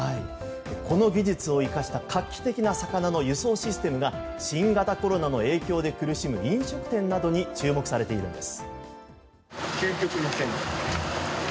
この技術を生かした画期的な魚の輸送システムが新型コロナの影響で苦しむ飲食店などに注目されているんです。